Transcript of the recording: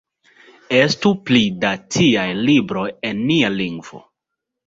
Estu pli da tiaj libroj en nia lingvo!